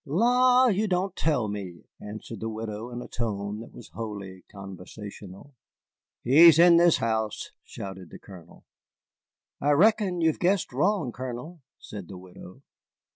"La! you don't tell me," answered the widow, in a tone that was wholly conversational. "He is in this house," shouted the Colonel. "I reckon you've guessed wrong, Colonel," said the widow.